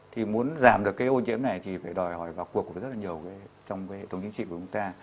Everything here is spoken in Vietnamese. thì muốn giảm được ô nhiễm này thì phải đòi hỏi vào cuộc của rất nhiều trong hệ thống chính trị của chúng ta